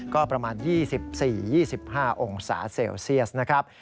ก็ประมาณ๒๔๒๕องศาเซลเซียสนะครับ